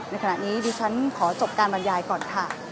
ในขณะนี้ดิฉันขอจบการบรรยายก่อนค่ะ